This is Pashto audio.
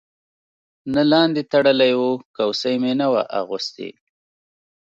نه لاندې تړلی و، کوسۍ مې نه وه اغوستې.